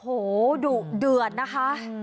โอ้โหดุเดือดนะคะ